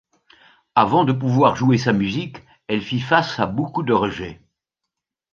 Avant de pouvoir jouer sa musique, elle fit face à beaucoup de rejets.